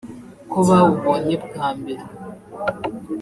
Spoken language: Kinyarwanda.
Ku bawubonye bwa mbere